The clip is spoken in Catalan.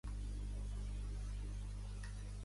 Atiyeh i la seva esposa van tenir dos fills, Tom i Suzanne.